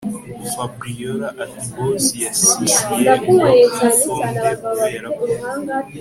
Fabriora atiboss yasisiye ngo nitonde kubera ko